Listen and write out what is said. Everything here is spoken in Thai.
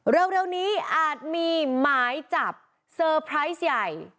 เร็วนี้อาจมีหมายจับเซอร์ไพรส์ใหญ่